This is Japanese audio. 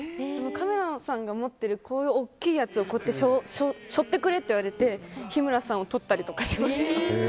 カメラさんが持ってる大きいやつを背負ってくれって言われて日村さんを撮ったりとかしました。